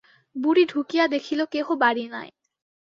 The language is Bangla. বুড়ি ঢুকিয়া দেখিল কেহ বাড়ি নাই।